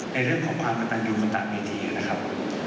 ในเรื่องของความกระต่างอยู่กระต่างในทีนะครับ